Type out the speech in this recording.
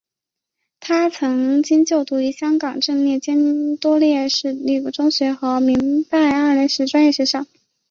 他曾经就读于香港邓肇坚维多利亚官立中学和明爱白英奇专业学校。